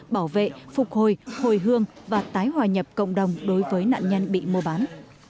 bảo vệ phục hồi hồi hương và tái hòa nhập cộng đồng đối với nạn nhân bị mua bán